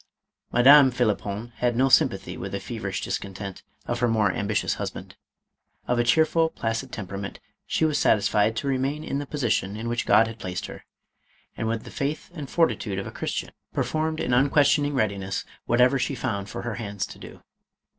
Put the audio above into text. Madame Phlippon had no sympathy with the fever ish discontent of her more ambitious husband. Of a cheerful, placid temperament, she was satisfied to re main in the position in which God had placed her, and with the faith and fortitude of a Christian, performed in unquestioning readiness whatever she found for her hands to do.